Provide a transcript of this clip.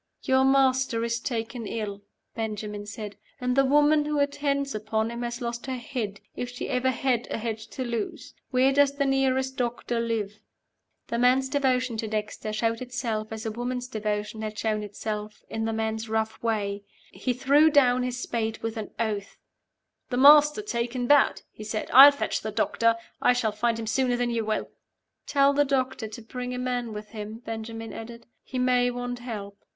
"Your master is taken ill," Benjamin said; "and the woman who attends upon him has lost her head if she ever had a head to lose. Where does the nearest doctor live?" The man's devotion to Dexter showed itself as the woman's devotion had shown itself in the man's rough way. He threw down his spade with an oath. "The Master taken bad?" he said. "I'll fetch the doctor. I shall find him sooner than you will." "Tell the doctor to bring a man with him," Benjamin added. "He may want help."